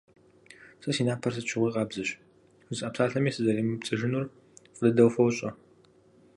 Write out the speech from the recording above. Сэ си напэр сыт щыгъуи къабзэщ, жысӀа псалъэми сызэремыпцӀыжынур фӀы дыдэу фощӀэ.